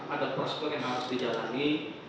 ada prospek yang harus dijalani